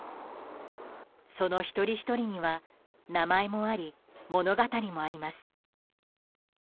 その一人ひとりには名前もあり物語もあります。